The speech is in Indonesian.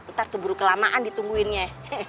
ntar keburu kelamaan ditungguinnya